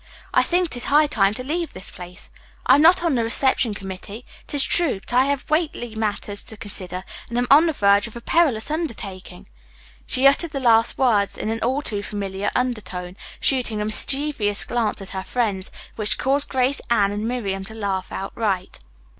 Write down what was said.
I think it is high time to leave this place. I'm not on the reception committee, 'tis true, but I have weighty matters to consider and am on the verge of a perilous undertaking." She uttered the last words in an all too familiar undertone, shooting a mischievous glance at her friends which caused Grace, Anne and Miriam to laugh outright.